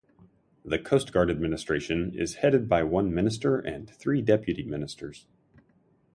The Coast Guard Administration is headed by one minister and three deputy ministers.